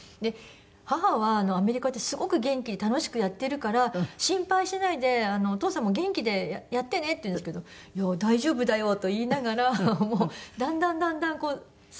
母は「アメリカですごく元気に楽しくやってるから心配しないでお父さんも元気でやってね」って言うんですけど「いや大丈夫だよ」と言いながらだんだんだんだんこう寂しくなっていく感じが。